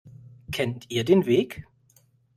Kennt ihr den Weg?